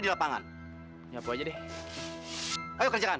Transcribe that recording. di lapangan nyapu aja deh ayo kerjakan